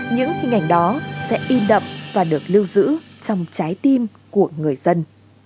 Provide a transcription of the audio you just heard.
những hình ảnh đó sẽ in đậm và được lưu giữ trong trái tim của người dân